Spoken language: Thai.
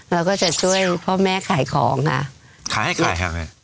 เราก็จะช่วยพ่อแม่ขายของค่ะขายให้ใครค่ะแม่